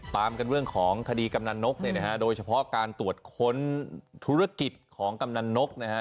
ตามกันเรื่องของคดีกำนันนกเนี่ยนะฮะโดยเฉพาะการตรวจค้นธุรกิจของกำนันนกนะฮะ